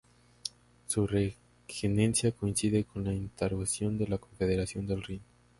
Su regencia coincide con la instauración de la Confederación del Rin.